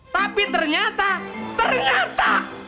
tapi ternyata ternyata